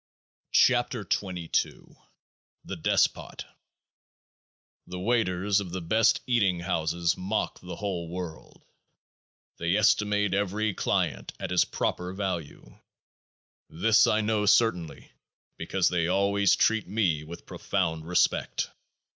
30 KEOAAH KB THE DESPOT The waiters of the best eating houses mock the whole world ; they estimate every client at his proper value. This I know certainly, because they always treat me with profound respect.